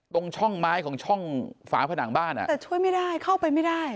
ตรงช่องไม้ของช่องฝาผนังบ้านอ่ะแต่ช่วยไม่ได้เข้าไปไม่ได้